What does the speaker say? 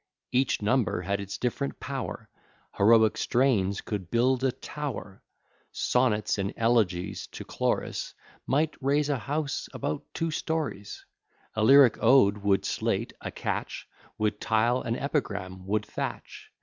Each number had its diff'rent power; Heroic strains could build a tower; Sonnets and elegies to Chloris, Might raise a house about two stories; A lyric ode would slate; a catch Would tile; an epigram would thatch.